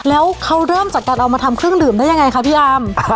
แล้วเขาเริ่มจัดการเอามาทำเครื่องดื่มได้อย่างไรคะ